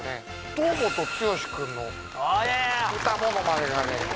堂本剛君の歌ものまねがね